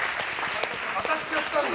当たっちゃったんだ。